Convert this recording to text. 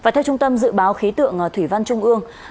theo trung tâm dự báo khí tượng thủy văn trung ương